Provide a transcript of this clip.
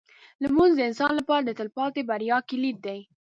لمونځ د انسان لپاره د تلپاتې بریا کلید دی.